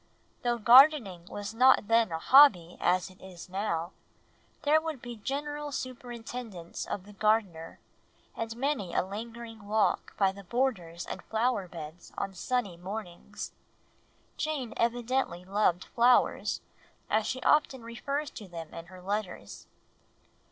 Though gardening was not then a hobby, as it is now, there would be general superintendence of the gardener, and many a lingering walk by the borders and flower beds on sunny mornings. Jane evidently loved flowers, as she often refers to them in her letters.